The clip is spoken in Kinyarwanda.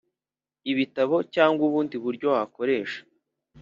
ibitabo cyangwa ubundi buryo wakoresha.